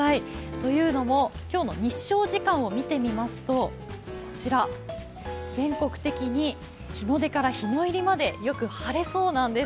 というのも今日の日照時間を見てみますと全国的に日の出から日の入りまでよく晴れそうなんです。